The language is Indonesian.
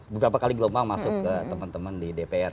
beberapa kali gelombang masuk ke teman teman di dpr